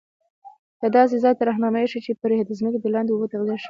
یا داسي ځاي ته رهنمایی شي چي پري د ځمکي دلاندي اوبه تغذیه شي